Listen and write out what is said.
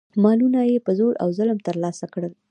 مالونه یې په زور او ظلم ترلاسه کړل.